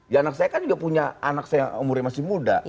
ya anak saya kan juga punya anak saya umurnya masih muda